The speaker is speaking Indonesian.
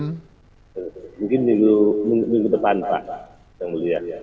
mungkin minggu depan pak yang mulia ya